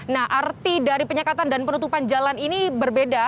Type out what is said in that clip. nah arti dari penyekatan dan penutupan jalan ini berbeda